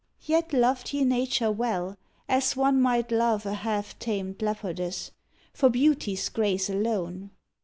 Yet loved he Nature well, as one might love A half tamed leopardess, for beauty's grace Alone.